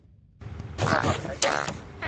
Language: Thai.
โทรศัพท์ใช้บัตร